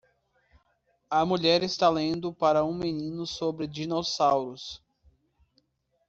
A mulher está lendo para um menino sobre dinossauros.